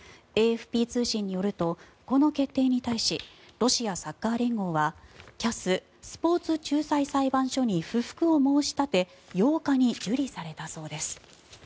ＡＦＰ通信によるとこの決定に対しロシアサッカー連合はＣＡＳ・スポーツ仲裁裁判所に不服を申し立て８日に受理されたそうです。